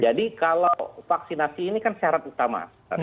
jadi kalau vaksinasi ini kan syarat utama